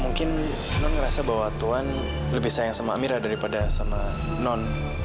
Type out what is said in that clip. mungkin non ngerasa bahwa tuhan lebih sayang sama amir daripada sama non